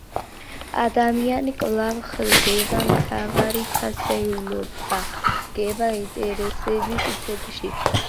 ადამიანი კვლავ ხდება მთავარი ფასეულობა, დგება ინტერესების ცენტრში.